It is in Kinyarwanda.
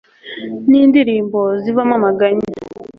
n'indirimbo zivamo amaganya